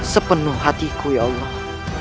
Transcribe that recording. sepenuh hatiku ya allah